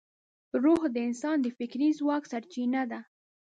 روح د انسان د فکري ځواک سرچینه ده.